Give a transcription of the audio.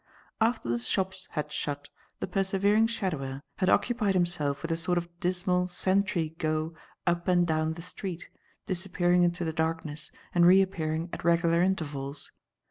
After the shops had shut, the persevering shadower had occupied himself with a sort of dismal sentry go up and down the street, disappearing into the darkness and reappearing at regular intervals.